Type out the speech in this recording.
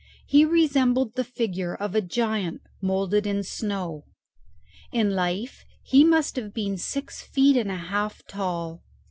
He resembled the figure of a giant moulded in snow. In life he must have been six feet and a half tall.